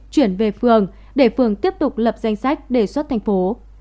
chuyển về phường để phường tiếp tục lập danh sách đề xuất thành phố